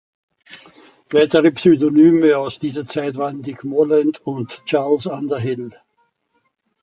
Weitere Pseudonyme aus dieser Zeit waren "Dick Morland" und "Charles Underhill".